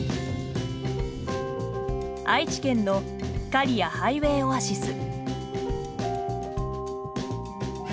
愛知県の刈谷ハイウェイオアシス。